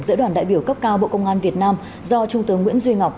giữa đoàn đại biểu cấp cao bộ công an việt nam do trung tướng nguyễn duy ngọc